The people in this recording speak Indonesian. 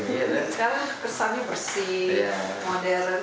sekarang kursanya bersih modern